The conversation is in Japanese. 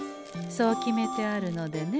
そう決めてあるのでね。